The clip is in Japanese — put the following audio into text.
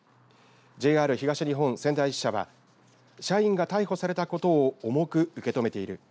ＪＲ東日本仙台支社は社員が逮捕されたことを重く受け止めている。